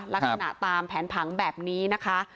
ลักษณะตามแผนผังแบบนี้นะคะ